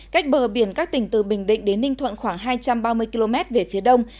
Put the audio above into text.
cách bờ biển các tỉnh từ bình định đến ninh thuận khoảng hai trăm ba mươi km về phía đông